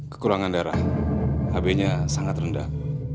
kekurangan darah hb nya sangat rendah